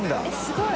すごい。